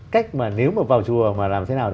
cách mà nếu mà vào chùa mà làm thế nào